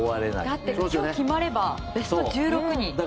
だって今日決まればベスト１６進出。